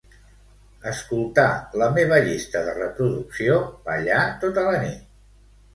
Escoltar la meva llista de reproducció "ballar tota la nit".